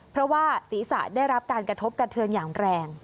เพราะว่าศีรษะได้รับการกระทบกระเทือนอย่างแรง